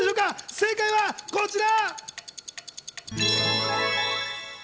正解はこちら。